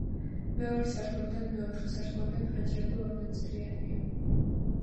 მეორე სართულიდან მეოთხე სართულამდე ფანჯრები ორნაწილიანია.